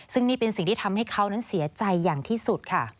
ซึ่งนี่เป็นสิ่งที่ทำให้เขานั้นเสียใจอย่างที่สุดค่ะ